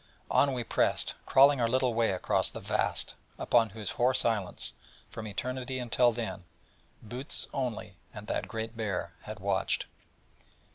On we pressed, crawling our little way across the Vast, upon whose hoar silence, from Eternity until then, Bootes only, and that Great Bear, had watched.